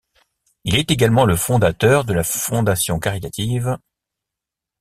Il est également le fondateur de la fondation caritative '.